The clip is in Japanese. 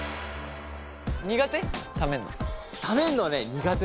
苦手？